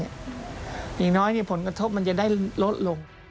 อย่างน้อยผลกระทบมันจะได้ลดลง